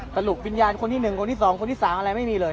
แต่ลูกวิญญาณคนที่หนึ่งคนที่สองคนที่สามอะไรไม่มีเลย